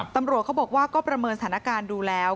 ตำรวจเขาบอกว่าก็ประเมินสถานการณ์ดูแล้ว